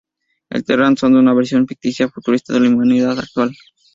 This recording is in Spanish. Los Terran son una versión ficticia futurista de la humanidad actual.